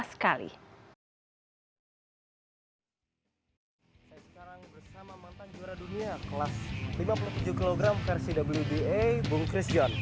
saya sekarang bersama mantan juara dunia kelas lima puluh tujuh kg versi wba bung chris john